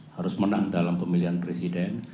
harus menang dalam pemilihan presiden